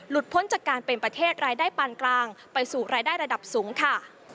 พ้นจากการเป็นประเทศรายได้ปานกลางไปสู่รายได้ระดับสูงค่ะ